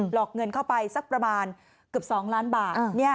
อกเงินเข้าไปสักประมาณเกือบ๒ล้านบาท